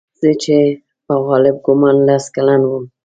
زه چې په غالب ګومان لس کلن وم.